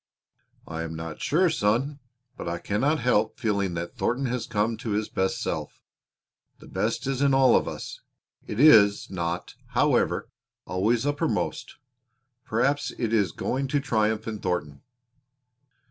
"I am not sure, son, but I cannot help feeling that Thornton has come to his best self. The best is in all of us. It is not, however, always uppermost. Perhaps it is going to triumph in Thornton."